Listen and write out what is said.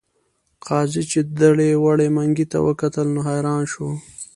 قاضي چې دړې وړې منګي ته وکتل نو حیران شو.